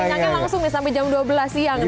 penyakit langsung nih sampe jam dua belas siang nih